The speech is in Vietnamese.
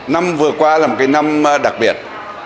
năm vừa qua là một cái năm đặc biệt